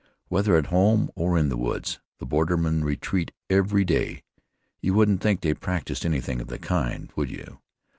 Whether at home or in the woods, the bordermen retreat every day. You wouldn't think they practiced anything of the kind, would you?